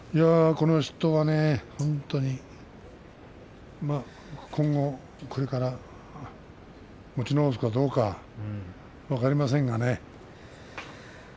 この人は本当にね今後、これから持ち直すかどうか分かりませんがね。